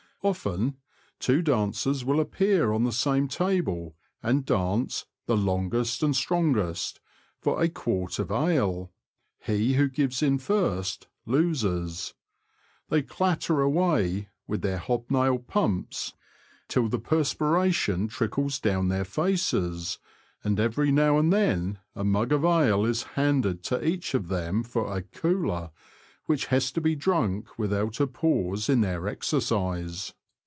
Often two dancers will appear on the same table, and dance " the longest and strongest " for a quart of ale ; he who gives in first loses. They clatter away, with their hobnailed pumps, till the perspiration CHARACTERISTICS AND DIALECT. 269 trickles down their faces, and every now and then a mug of ale is handed to each of them for a "cooler," which has to be drunk without a pause in their exercise.